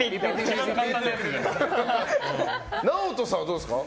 ＮＡＯＴＯさんはどうですか？